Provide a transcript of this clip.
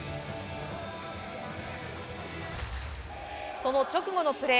その直後のプレー。